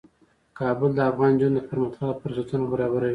کابل د افغان نجونو د پرمختګ لپاره فرصتونه برابروي.